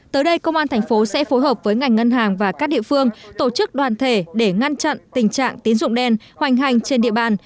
tới đây công an thành phố sẽ phối hợp với ngành ngân hàng và các địa phương tổ chức đoàn thể để ngăn chặn tình trạng tín dụng đen hoành hành trên địa bàn